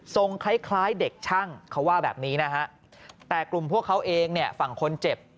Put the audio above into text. คล้ายคล้ายเด็กช่างเขาว่าแบบนี้นะฮะแต่กลุ่มพวกเขาเองเนี่ยฝั่งคนเจ็บ